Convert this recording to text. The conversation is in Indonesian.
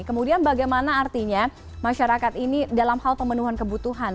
kemudian bagaimana artinya masyarakat ini dalam hal pemenuhan kebutuhan